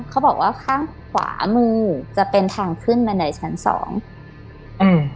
เขาบอกว่าข้างขวามือจะเป็นทางขึ้นบันไดชั้นสองอืม